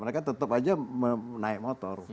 mereka tetap aja menaik motor